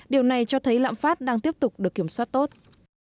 điều này cho thấy lãm phát đang tiếp tục được kiểm soát tốt